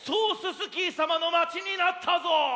スキーさまのまちになったぞ！